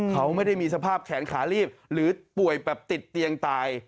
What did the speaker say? เขาไม่ได้มีสภาพแขนขาลีบหรือป่วยแบบติดเตียงตาย